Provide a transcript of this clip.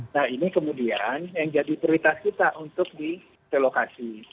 nah ini kemudian yang jadi prioritas kita untuk direlokasi